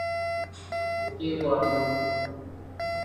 ایوانڈو